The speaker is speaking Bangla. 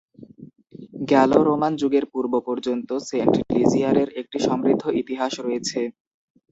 গ্যালো-রোমান যুগের পূর্ব পর্যন্ত সেন্ট-লিজিয়ারের একটি সমৃদ্ধ ইতিহাস রয়েছে।